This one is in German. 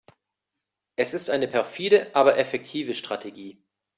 Es ist eine perfide, aber effektive Strategie.